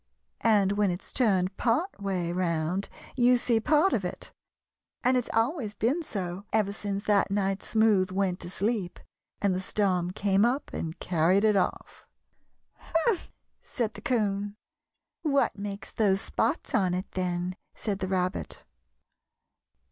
And when it's turned part way round you see part of it, and it's always been so ever since that night Smoothe went to sleep and the storm came up and carried it off." "Humph!" said the 'Coon. "What makes those spots on it, then?" said the Rabbit.